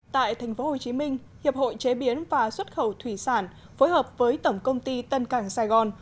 tại tp hcm hiệp hội chế biến và xuất khẩu thủy sản phối hợp với tổng công ty tân cảng sài gòn